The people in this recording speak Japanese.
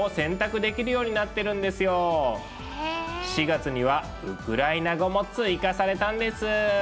４月にはウクライナ語も追加されたんです。